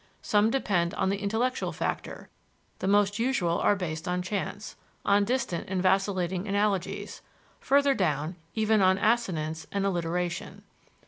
Some depend on the intellectual factor; the most usual are based on chance, on distant and vacillating analogies further down, even on assonance and alliteration.